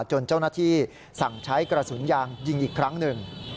จนเจ้าหน้าที่สั่งใช้กระสุนยางยิงอีกครั้งหนึ่ง